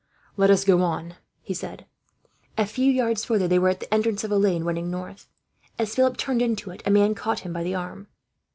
"Let us go on," he said. A few yards further they were at the entrance of a lane running north. As Philip turned into it, a man caught him by the arm.